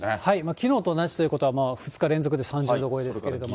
きのうと同じということは、２日連続で３０度超えですけれどもね。